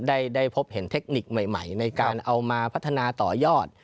ได้พบเห็นเทคนิคใหม่ในการเอามาพัฒนาต่อยอด